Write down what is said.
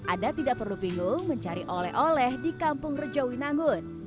anda tidak perlu bingung mencari oleh oleh di kampung rejawi nanggun